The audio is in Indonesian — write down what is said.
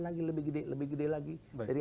lagi lebih gede lagi jadi